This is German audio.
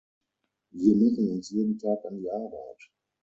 Wir machen uns jeden Tag an die Arbeit.